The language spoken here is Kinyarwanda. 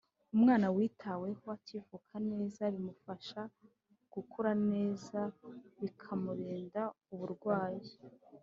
Umwana witaweho akivuka neza bimufasha gukura neza bikamurinda uburwayi